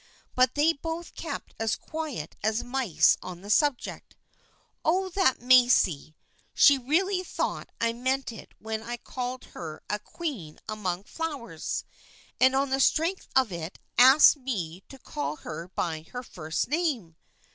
But they both kept as quiet as mice on the subject. Oh, that Macy ! She really thought I meant it when I called her a queen among flowers ! And on the strength of it asked me to call her by her first name